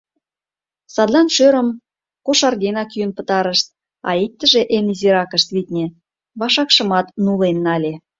Садлан шӧрым кошаргенак йӱын пытарышт, а иктыже, эн изиракышт, витне, вашакшымат нулен нале.